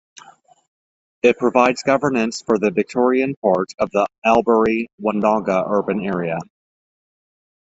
It provides governance for the Victorian part of the Albury-Wodonga urban area.